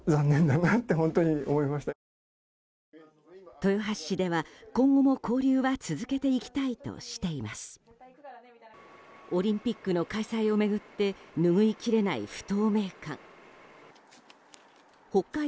豊橋市では、今後も交流は続けていきたいとしています。